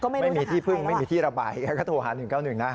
ไม่มีที่พึ่งไม่มีที่ระบายแกก็โทรหา๑๙๑นะ